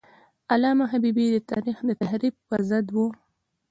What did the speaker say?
علامه حبیبي د تاریخ د تحریف پر ضد و.